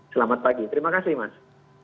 selamat pagi terima kasih mas